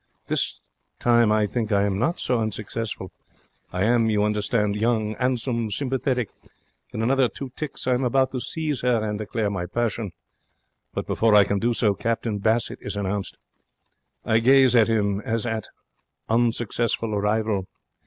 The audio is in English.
This time I think I am not so unsuccessful. I am, you understand, young, 'andsome, sympathetic. In another two ticks I am about to seize 'er 'and and declare my passion. But, before I can do so, Captain Bassett is announced. I gaze at him as at unsuccessful rival.